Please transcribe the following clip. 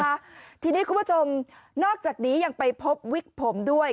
ค่ะทีนี้คุณผู้ชมนอกจากนี้ยังไปพบวิกผมด้วย